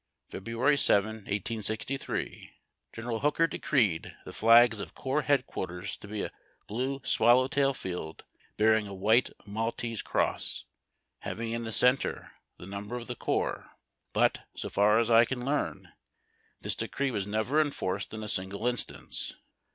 Feb. 7, 1863, General Hooker deci'eed the flags of corps headquarters to be a blue swallow tail field bearing a white Maltese cross, liaving in the centre tlie number of the corps ; but, so far as I can learn, this decree was never enforced in a single instance.